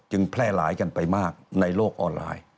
แพร่หลายกันไปมากในโลกออนไลน์